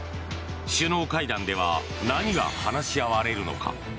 首脳会談では何が話し合われるのか。